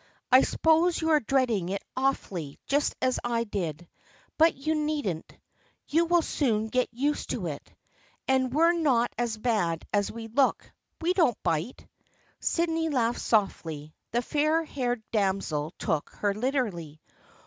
I suppose you are dreading it awfully, just as I did. But you needn't. You will soon get used to it. And we're not as bad as we look. We don't bite." Sydney laughed softly. The fair haired damsel took her literally.